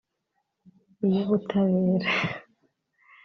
iy’Ubutabera